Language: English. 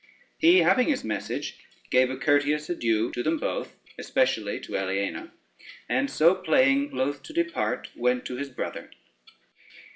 He having his message, gave a courteous adieu to them both, especially to Aliena, and so playing loath to depart, went to his brother.